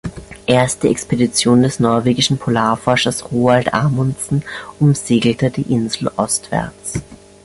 Erst die Expedition des norwegischen Polarforschers Roald Amundsen umsegelte die Insel ostwärts.